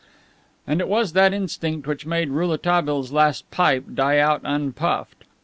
And it was that instinct which made Rouletabille's last pipe die out unpuffed.